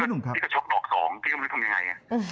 พี่ก็ช็อกดอกสองพี่ก็ไม่รู้ทำยังไง